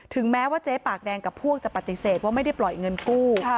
แม้ว่าเจ๊ปากแดงกับพวกจะปฏิเสธว่าไม่ได้ปล่อยเงินกู้